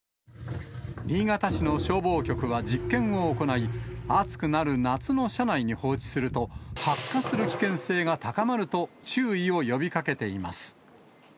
新潟市の消防局は実験を行い、暑くなる夏の車内に放置すると、発火する危険性が高まると、注意を呼びかけています。